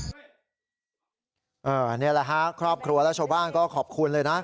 อันนี้แหละครับครอบครัวและโชว์บ้านก็ขอบคุณเลยนะ